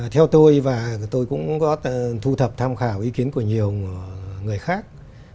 theo tôi và tôi cũng có thu thập tham khảo ý kiến của nhiều người khác